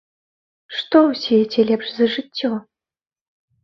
Што ў свеце лепш за жыццё?